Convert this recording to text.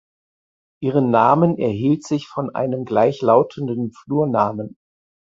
Ihren Namen erhielt sich von einem gleichlautenden Flurnamen.